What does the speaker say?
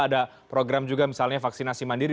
ada program juga misalnya vaksinasi mandiri